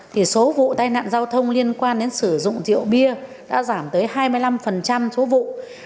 thì số vụ tai nạn giao thông liên quan đến sử dụng rượu bia đã giảm tới hai mươi năm số vụ